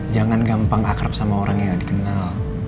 jangan gampang akrab sama orang yang gak dikenal